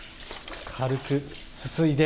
軽くすすいで。